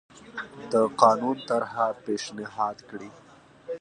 د قانون طرحه پېشنهاد کړي.